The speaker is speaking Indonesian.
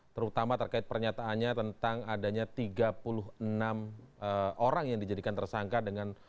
terutama terkait pernyataannya tentang adanya tiga puluh enam orang yang dijadikan tersangka dengan